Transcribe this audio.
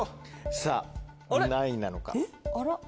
さぁ何位なのか。